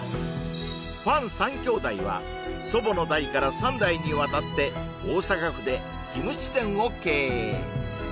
黄三兄弟は祖母の代から３代にわたって大阪府でキムチ店を経営